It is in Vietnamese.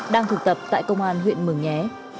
đang thực tập tại công an huyện mường nhé